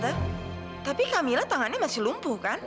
tante tapi kamila tangannya masih lumpuh kan